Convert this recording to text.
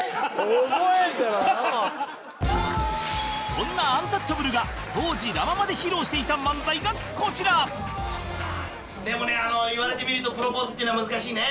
そんなアンタッチャブルが当時ラ・ママで披露していた漫才がこちらでもね言われてみるとプロポーズっていうのは難しいね。